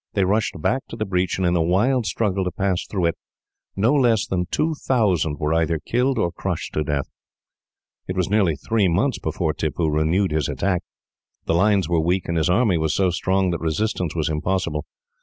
They rushed back to the breach, and in the wild struggle to pass through it, no less than two thousand were either killed or crushed to death. "It was nearly three months before Tippoo renewed his attack. The lines were weak, and his army so strong that resistance was impossible.